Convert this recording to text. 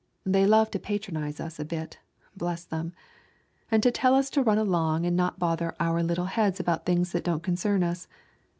They love to patronize us a bit, bless them; and to tell us to run along and not bother our little heads about things that don't concern us.